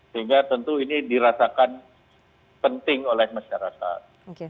sehingga tentu ini dirasakan penting oleh masyarakat